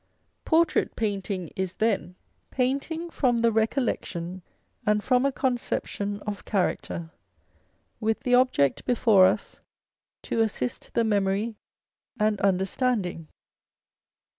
Portrait painting is, then, painting from recollection and from a conception of character, with the object before us to assist the memory and understanding.